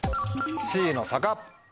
Ｃの「坂」。